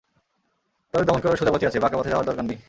তাদের দমন করার সোজা পথই আছে, বাঁকা পথে যাওয়ার দরকার নেই।